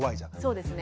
そうですね。